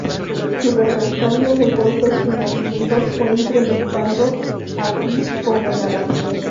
Su repertorio de golpes y movimientos fue incrementado, así como la rapidez.